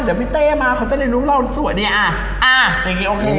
เดี๋ยวพี่เต้มาเขาจะเรียนรู้เราสวยเนี่ยอ่าอย่างงี้โอเค